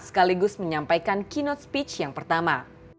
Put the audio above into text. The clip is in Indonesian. sekaligus menyampaikan keynote speech yang pertama